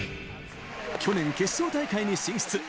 去年、決勝大会に進出。